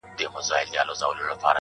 غنم ووېشه پر دواړو جوالونو.!